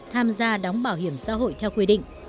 tham gia đóng bảo hiểm xã hội theo quy định